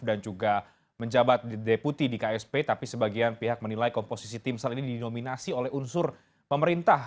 dan juga menjabat deputi di ksp tapi sebagian pihak menilai komposisi timsel ini dinominasi oleh unsur pemerintah